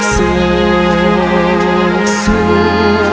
เฟ้อดนมันด้านรักให้ใจมุ่งมัน